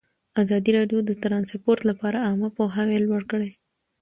ازادي راډیو د ترانسپورټ لپاره عامه پوهاوي لوړ کړی.